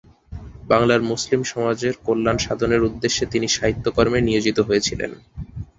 বাংলার মুসলিম সমাজের কল্যাণ সাধনের উদ্দেশ্যে তিনি সাহিত্যকর্মে নিয়োজিত হয়েছিলেন।